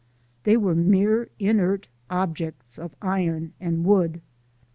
They were mere inert objects of iron and wood.